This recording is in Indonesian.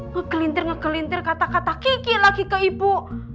kegelintir ngegelintir kata kata kiki lagi ke ibu